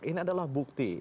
ini adalah bukti